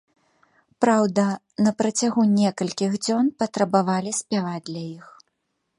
Праўда, на працягу некалькіх дзён патрабавалі спяваць для іх.